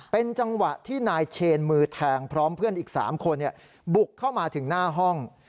เป็นจังหวะที่นายเชนมือแทงพร้อมเพื่อนอีก๓คนบุกเข้ามาถึงหน้าห้อง